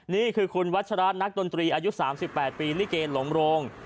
นี่คือคุณวัชราชนักดนตรีอายุ๓๘ปีลิเกหลงโรง